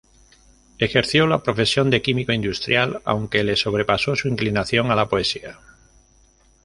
Ejerció la profesión de químico industrial, aunque le sobrepasó su inclinación a la poesía.